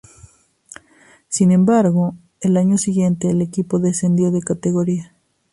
Sin embargo el año siguiente el equipo descendió de categoría.